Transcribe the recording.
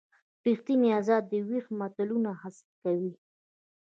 ریښتیني ازاد او ویښ ملتونه هڅې کوي.